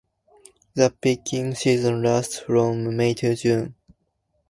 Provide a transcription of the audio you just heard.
The picking season lasts from May to June.